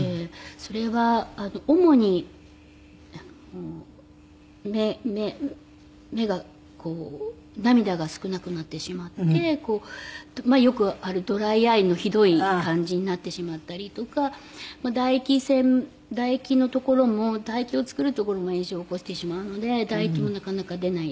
それは主に目がこう涙が少なくなってしまってよくあるドライアイのひどい感じになってしまったりとか唾液腺唾液の所も唾液を作る所も炎症を起こしてしまうので唾液もなかなか出ない。